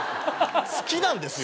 好きなんですよ